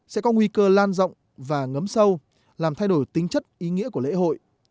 sẽ có nguy cơ lan rộng và ngấm sâu làm thay đổi tính chất ý nghĩa của lễ hội